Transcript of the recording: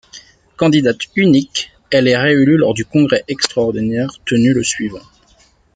Candidate unique, elle est réélue lors du congrès extraordinaire tenu le suivant.